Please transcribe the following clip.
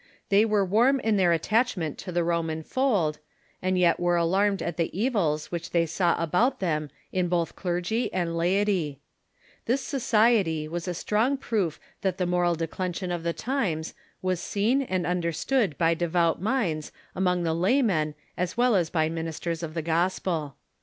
They were warm in their attachment to the Roman fold. Friends of God ,, t ,•, i • i i and yet were alarmed at the evils which they saw about them in both clergy and laity. This society Avas a strong proof that the moral declension of the times was seen and un derstood by devout minds among the lajnnen as well as by ministers of the Gospel.